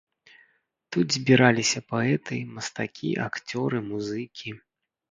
Тут збіраліся паэты, мастакі, акцёры, музыкі.